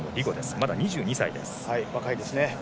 まだ２２歳です。